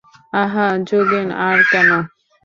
আহা, যোগেন, আর কেন?